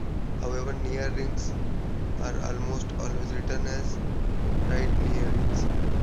However, near-rings are almost always written as right near-rings.